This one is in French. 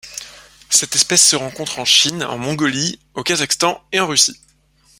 Cette espèce se rencontre en Chine, en Mongolie, au Kazakhstan et en Russie.